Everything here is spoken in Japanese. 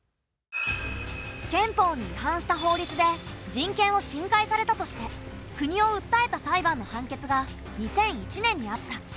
憲法に違反した法律で人権を侵害されたとして国を訴えた裁判の判決が２００１年にあった。